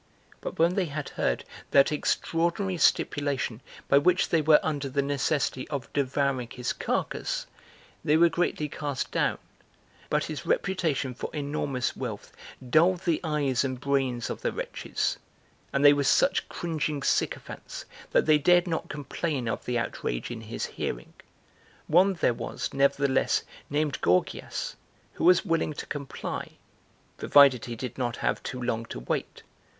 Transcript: But when they had heard that extraordinary stipulation by which they were under the necessity of devouring his carcass, they were greatly cast down, but) his reputation for enormous wealth dulled the eyes and brains of the wretches, (and they were such cringing sycophants that they dared not complain of the outrage in his hearing. One there was, nevertheless, named) Gorgias, who was willing to comply, (provided he did not have too long to wait!